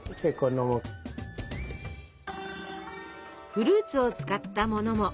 フルーツを使ったものも。